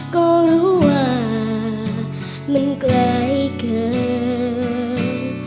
ก็รู้ว่ามันไกลเกิน